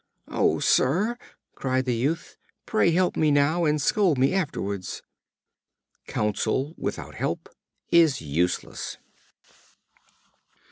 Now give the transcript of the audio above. "Oh, sir!" cried the youth, "pray help me now, and scold me afterwards." Counsel, without help, is useless.